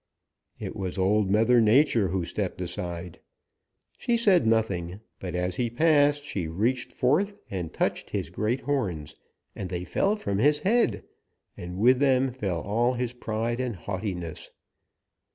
It was Old Mother Nature who stepped aside. She said nothing, but as he passed she reached forth and touched his great horns and they fell from his head, and with them fell all his pride and haughtiness.